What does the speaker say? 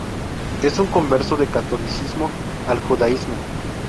Es un converso del catolicismo al judaísmo.